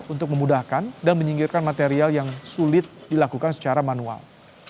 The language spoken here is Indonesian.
untuk memudahkan dan menyingkirkan material yang sulit dilakukan secara manual